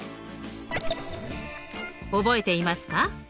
覚えていますか？